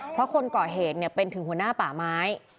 เพราะคนก่อเหตุเป็นถึงหัวหน้าป่าไม้